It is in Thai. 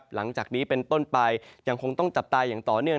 หลังจากนี้เป็นต้นไปยังคงต้องจับตาอย่างต่อเนื่อง